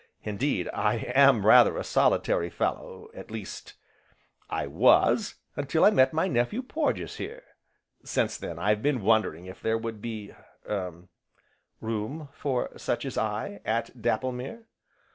Indeed, I am rather a solitary fellow, at least I was, until I met my nephew Porges here. Since then, I've been wondering if there would be er room for such as I, at Dapplemere?"